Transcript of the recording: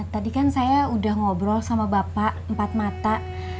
tadi kan saya udah ngobrol sama bapak empat mata